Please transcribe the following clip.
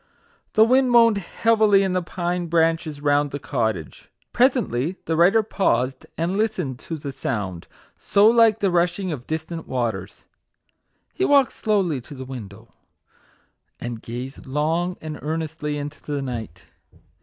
The wind moaned heavily in the pine branches round the cottage. Presently the 8 MAGIC WORDS. writer paused and listened to the sound, so like the rushing of distant waters. He walked slowly to the window, and gazed long and ear nestly into the night.